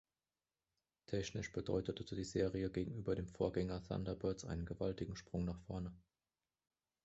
Technisch bedeutete die Serie gegenüber dem Vorgänger Thunderbirds einen gewaltigen Sprung nach vorne.